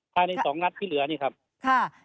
ในสองงัดที่เหลือค์ครับค่ะ